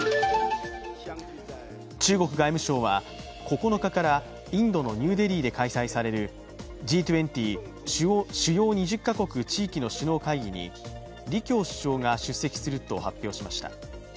中国外務省は９日からインドのニューデリーで開催されるＧ２０＝主要２０か国・地域の首脳会議に李強首相が出席すると発表しました。